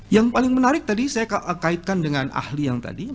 yang paling menarik tadi saya kaitkan dengan ahli yang tadi